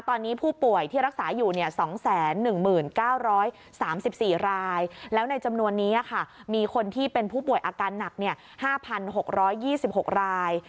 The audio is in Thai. ตอนนี้ผู้ป่วยที่รักษาอยู่๒๑๙๓๔รายแล้วในจำนวนนี้มีคนที่เป็นผู้ป่วยอาการหนัก๕๖๒๖ราย